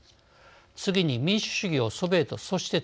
次に、民主主義をソビエトそして